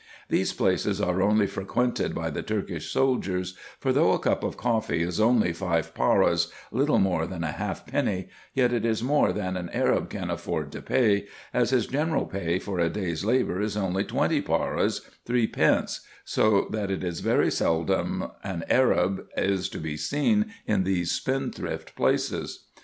These places are only frequented by the Turkish soldiers, for though a cup of coffee is only five paras, little more than a halfpenny, yet it is more than an Arab can afford to pay, as his general pay for a day's labour is only twenty paras, three pence, so that it is very seldom an Arab is to be seen in these spendthrift places.